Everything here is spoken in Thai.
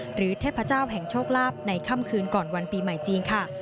หรือเทพเจ้าแห่งโชคลาภในค่ำคืนก่อนวันปีใหม่จีนค่ะ